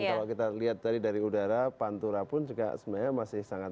kalau kita lihat tadi dari udara pantura pun juga sebenarnya masih sangat